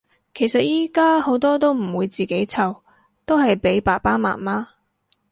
其實依家好多都唔會自己湊，都係俾爸爸媽媽